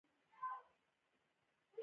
پنېر د مغز لرونکو خوړو سره ښه وي.